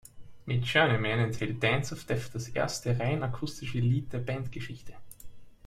Mit "Journeyman" enthält "Dance of Death" das erste rein akustische Lied der Bandgeschichte.